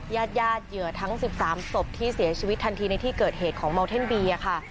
ญาติญาติเหยื่อทั้ง๑๓ศพที่เสียชีวิตทันทีในที่เกิดเหตุของเมาเท่นบีค่ะ